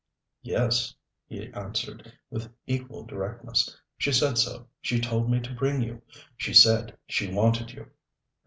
"Yes," he answered, with equal directness. "She said so. She told me to bring you. She said she wanted you."